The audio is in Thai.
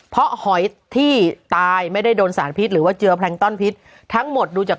เพราะหอยที่ตายไม่ได้โดนสารพิษหรือว่าเจือแพลงต้อนพิษทั้งหมดดูจาก